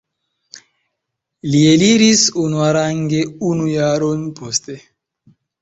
Li eliris unuarange unu jaron poste.